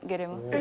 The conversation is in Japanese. え？